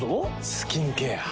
スキンケア。